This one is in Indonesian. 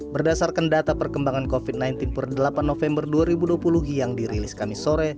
berdasarkan data perkembangan covid sembilan belas per delapan november dua ribu dua puluh yang dirilis kami sore